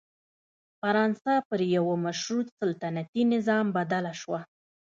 فرانسه پر یوه مشروط سلطنتي نظام بدله شوه.